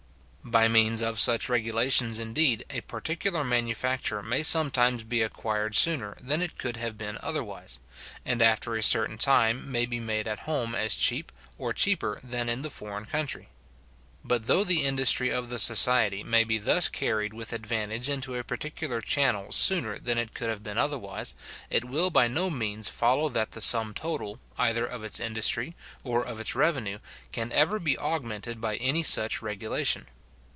By means of such regulations, indeed, a particular manufacture may sometimes be acquired sooner than it could have been otherwise, and after a certain time may be made at home as cheap, or cheaper, than in the foreign country. But though the industry of the society may be thus carried with advantage into a particular channel sooner than it could have been otherwise, it will by no means follow that the sum total, either of its industry, or of its revenue, can ever be augmented by any such regulation.